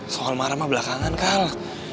soal marah mah belakangan kal